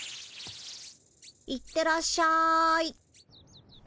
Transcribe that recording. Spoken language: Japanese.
行ってらっしゃい。